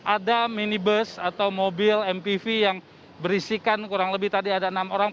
ada minibus atau mobil mpv yang berisikan kurang lebih tadi ada enam orang